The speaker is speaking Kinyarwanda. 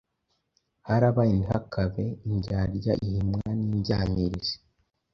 Harabaye ntihakabe, indyarya ihimwa n’indyamirizi,